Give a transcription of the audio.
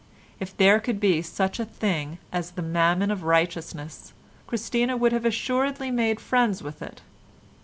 If there could be such a thing as the Mammon of Righteousness Christina would have assuredly made friends with it.